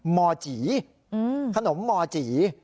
มอจี่ขนมมอจี่